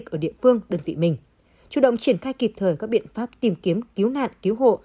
chủ động triển khai kịp thời các biện pháp tìm kiếm cứu nạn cứu hộ